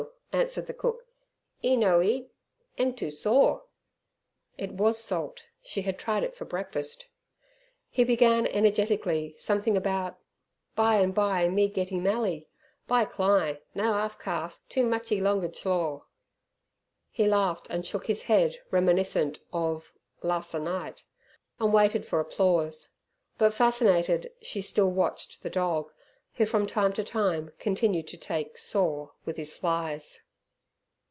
answered the cook. "'E no eat 'em too saw." It was salt; she had tried it for breakfast. He began energetically something about, "by an' by me getty mally. By Cli' no 'alf cas too muchee longa jlaw." He laughed and shook his head, reminiscent of "las' a night", and waited for applause. But, fascinated, she still watched the dog, who from time to time continued to take "saw" with his flies.